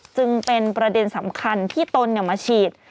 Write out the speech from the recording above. จึงเป็นประเด็นสำคัญที่ตนมาฉีด